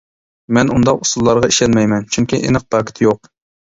مەن ئۇنداق ئۇسۇللارغا ئىشەنمەيمەن چۈنكى ئېنىق پاكىتى يوق.